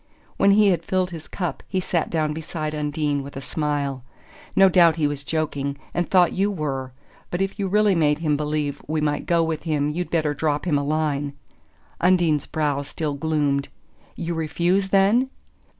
When he had filled his cup he sat down beside Undine, with a smile. "No doubt he was joking and thought you were; but if you really made him believe we might go with him you'd better drop him a line." Undine's brow still gloomed. "You refuse, then?"